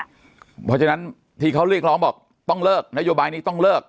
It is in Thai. เพราะฉะนั้นที่เขาเรียกร้องบอกต้องเลิกนโยบายนี้ต้องเลิก